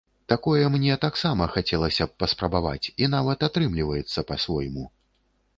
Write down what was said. Такое мне таксама хацелася б паспрабаваць і нават атрымліваецца па-свойму.